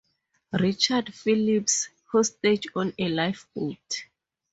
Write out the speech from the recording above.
Richard Phillips, hostage on a lifeboat.